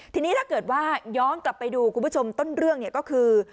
ทีนี้ถ้าเกิดว่าย้อนกลับไปดูคุณผู้ชมต้นเรื่องเนี่ยก็คือ